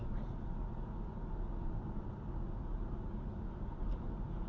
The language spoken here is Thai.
รับโปรด